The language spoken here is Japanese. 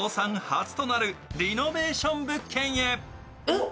初となるリノベーション物件へ。